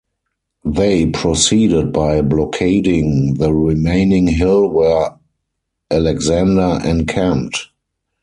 They proceeded by blockading the remaining hill were Alexander encamped.